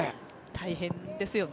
大変ですよね。